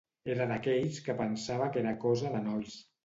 Era d'aquells que pensava que era cosa de nois.